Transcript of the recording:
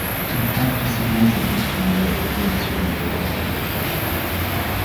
Il prend officiellement ses fonctions le et démissionne de la mairie de Porto.